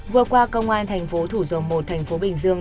vừa qua công an thành phố thủ dầu một thành phố bình dương